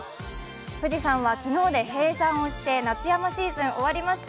富士山は昨日で閉山をして夏山シーズン、終わりました。